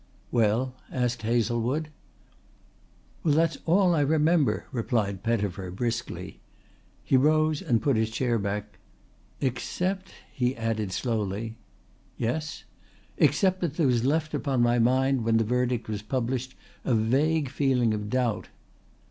"Well," asked Hazlewood. "Well that's all I remember," replied Pettifer briskly. He rose and put his chair back. "Except " he added slowly. "Yes?" "Except that there was left upon my mind when the verdict was published a vague feeling of doubt."